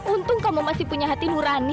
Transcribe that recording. untung kamu masih punya hati nurani